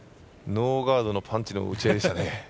ノーガードのパンチの打ち合いでしたね。